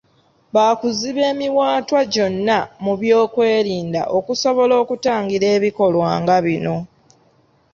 Baakuziba emiwaatwa gyonna mu byokwerinda, okusobola okutangira ebikolwa nga bino.